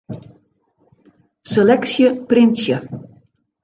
Seleksje printsje.